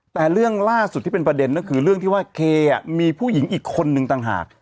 แต่เรื่องล่าสุดที่เป็นประเด็นก็คือเรื่องที่ว่าเคมีผู้หญิงอีกคนนึงต่างหาก